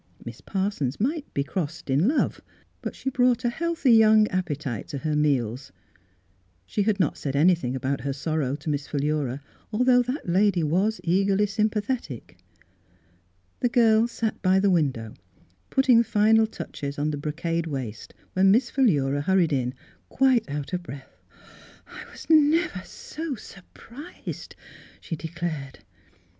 Miss Parsons might be crossed in love, but she brought a healthy young appetite to her meals, She had not said anything about her sorrow to Miss Philura, al though that lady was eagerly sympa thetic. The girl sat by the window putting the Miss Philura's Weddmg Gown final touches on the brocade waist when Miss Philura hurried in, quite out of breath. " I was never so surprised !" she de clared.